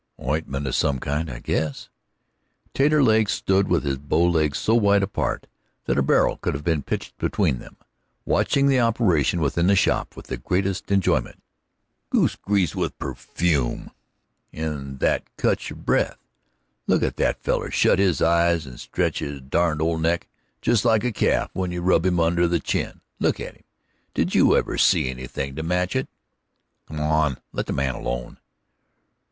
"Ointment of some kind, I guess." Taterleg stood with his bow legs so wide apart that a barrel could have been pitched between them, watching the operation within the shop with the greatest enjoyment. "Goose grease, with pre fume in it that cuts your breath. Look at that feller shut his eyes and stretch his derned old neck! Just like a calf when you rub him under the chin. Look at him did you ever see anything to match it?" "Come on let the man alone."